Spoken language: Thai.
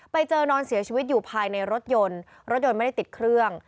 ไปเจอนอนเสียชีวิตอยู่ภายในรถยนต์รถยนต์ไม่ได้ติดเครื่อง